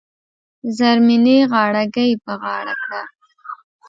زرمینې غاړه ګۍ په غاړه کړه .